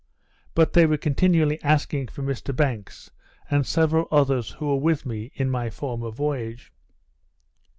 But they were continually asking for Mr Banks, and several others who were with me in my former voyage.